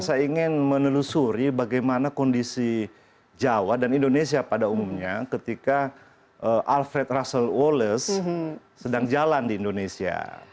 saya ingin menelusuri bagaimana kondisi jawa dan indonesia pada umumnya ketika alfred russel wallace sedang jalan di indonesia